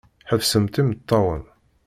Ḥebsemt imeṭṭawen!